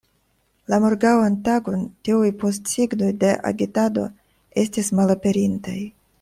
La morgaŭan tagon tiuj postsignoj de agitado estis malaperintaj.